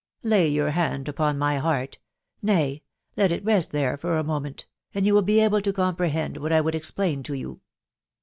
... Lay your hand upon my heart .... nay, let it rest there for a moment, and you will be able to comprehend what I would explain to you.